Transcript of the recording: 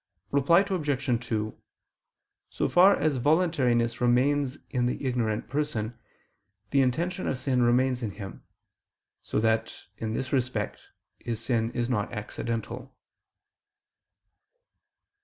Reply Obj. 2: So far as voluntariness remains in the ignorant person, the intention of sin remains in him: so that, in this respect, his sin is not accidental.